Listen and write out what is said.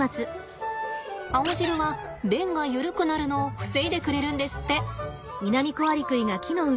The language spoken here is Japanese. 青汁は便がゆるくなるのを防いでくれるんですって。